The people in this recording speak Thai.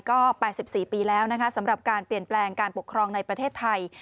ก็๘๔ปีแล้วนะคะสำหรับการเปลี่ยนแปลงการปกครองในประเทศไทย